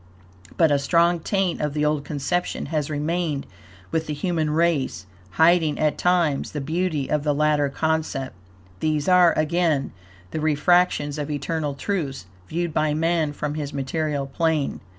But a strong taint of the old conception has remained with the human race, hiding, at times, the beauty of the latter concept. These are, again, the refractions of eternal truths, viewed by man from his material plane.